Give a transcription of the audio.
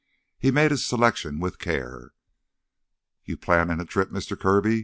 He made his selection with care. "You planning a trip, Mister Kirby?"